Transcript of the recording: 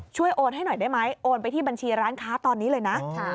โอนให้หน่อยได้ไหมโอนไปที่บัญชีร้านค้าตอนนี้เลยนะ